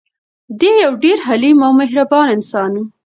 دی یو ډېر حلیم او مهربان انسان و.